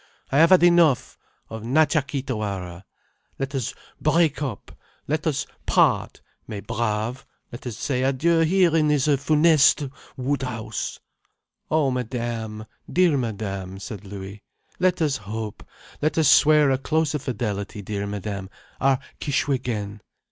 I have had enough of Natcha Kee Tawara. Let us break up, let us part, mes braves, let us say adieu here in this funeste Woodhouse." "Oh, Madame, dear Madame," said Louis, "let us hope. Let us swear a closer fidelity, dear Madame, our Kishwégin.